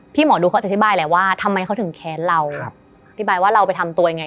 หมอดูเขาอธิบายแล้วว่าทำไมเขาถึงแค้นเราอธิบายว่าเราไปทำตัวยังไง